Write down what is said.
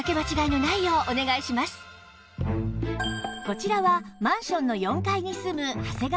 こちらはマンションの４階に住む長谷川さん